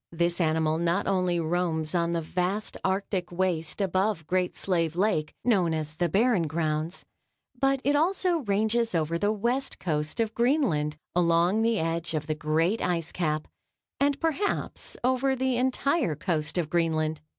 This animal not only roams on the vast Arctic waste above Great Slave Lake, known as the Barren Grounds, but it also ranges over the west coast of Greenland, along the edge of the great ice cap and perhaps over the entire coast of Greenland.